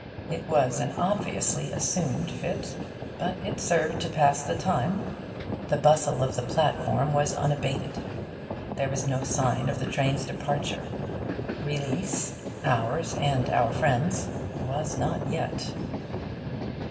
It was an obviously assumed fit, but it served to pass the time. The bustle of the platform was unabated. There was no sign of the train's departure. Release ours, and our friend's was not yet.